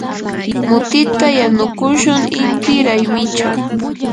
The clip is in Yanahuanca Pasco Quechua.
mutita yanukushun inti raymichaw.